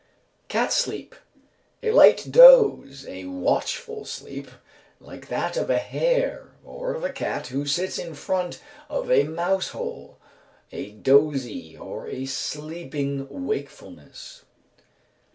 Cat sleep. A light doze, a watchful sleep, like that of a hare or of a cat who sits in front of a mouse hole, a dozy or a sleeping wakefulness.